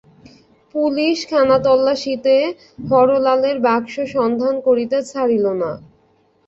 Police খানাতল্লাসিতে হরলালের বাক্স সন্ধান করিতে ছাড়িল না।